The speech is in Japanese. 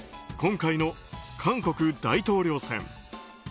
今回の韓国大統領選。